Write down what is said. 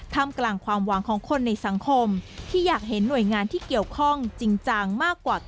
ทำกลั่งความหวานของคนสังคม